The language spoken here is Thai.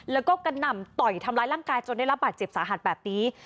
แล้วก็กระหน่ำต่อยทำร้ายร่างกายจนได้รับบาดเจ็บสาหัสแบบนี้